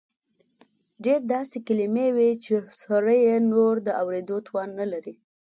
ډېر داسې کلیمې وې چې سړی یې نور د اورېدو توان نه لري.